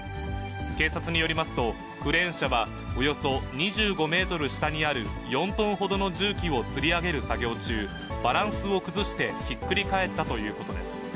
警察によりますと、クレーン車はおよそ２５メートル下にある４トンほどの重機をつり上げる作業中、バランスを崩して、ひっくり返ったということです。